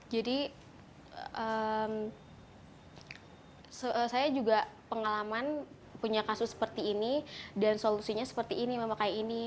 jadi saya juga pengalaman punya kasus seperti ini dan solusinya seperti ini memakai ini